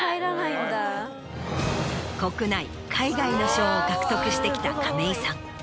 国内海外の賞を獲得してきた亀井さん。